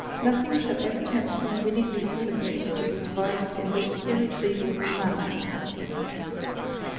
Nothing shall ever tempt me willingly to submit to be divided in this irretrievable manner."